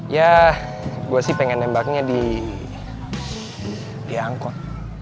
ya gue sih pengen nembaknya diangkut